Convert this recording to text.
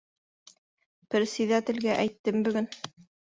Персиҙәтелгә әйттем бөгөн.